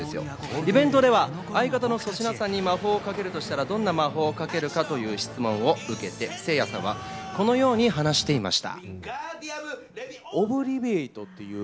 イベントでは相方の粗品さんに魔法をかけるとしたら、どんな魔法をかけるか？という質問を受けて、せいやさんはこのように話していました。